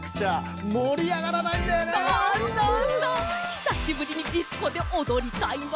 ひさしぶりにディスコでおどりたいわ！